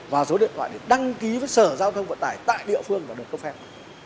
và số điện thoại để đăng ký với sở giao thông vận tải tại địa phương và được cấp phép